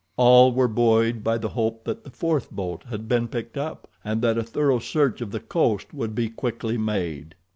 All were buoyed by the hope that the fourth boat had been picked up, and that a thorough search of the coast would be quickly made.